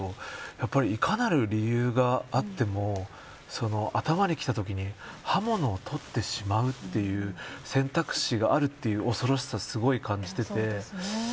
いかなる理由があっても頭にきたときに刃物を取ってしまうという選択肢があるという恐ろしさをすごい、感じています。